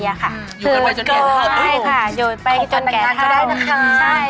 ยอด่วยมีความปันการก็ได้นะคะ